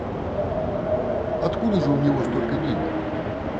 Откуда же у него столько денег?